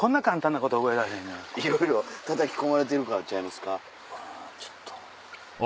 いろいろたたき込まれてるからちゃいますか？